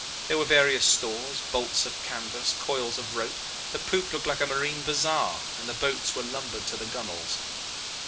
There were various stores, bolts of canvas, coils of rope; the poop looked like a marine bazaar, and the boats were lumbered to the gunwales.